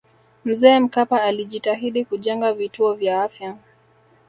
mzee mkapa alijitahidi kujenga vituo vya afya